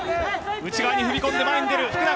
内側に踏み込んで前に出る福永。